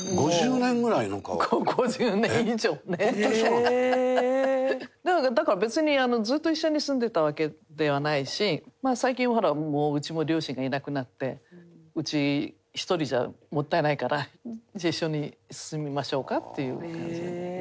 なのでだから別にずっと一緒に住んでたわけではないし最近ほらもううちも両親がいなくなってうち１人じゃもったいないからじゃあ一緒に住みましょうかっていう感じで。